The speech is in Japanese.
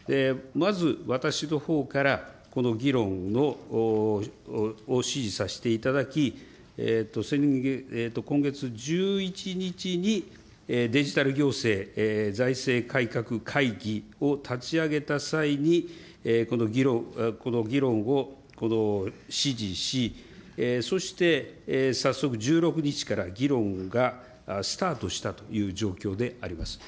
まず私のほうからこの議論を指示させていただき、今月１１日にデジタル行政財政改革会議を立ち上げた際に、この議論を指示し、そして早速１６日から議論がスタートしたという状況であります。